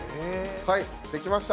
はいできました。